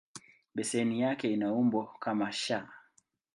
Beseni yake ina umbo kama "S".